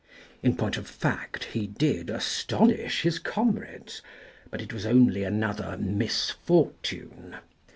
In point of fact, he did astonish his comrades, but it was only another misfortune.